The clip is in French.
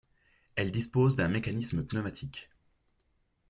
Elles disposent d'un mécanisme pneumatique.